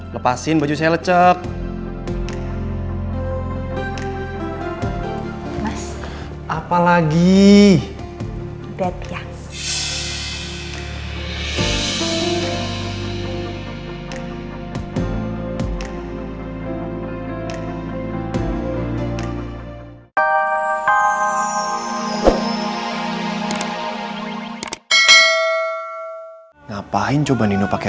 lepasin baju saya lecek